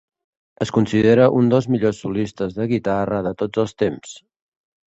Es considera un dels millors solistes de guitarra de tots els temps.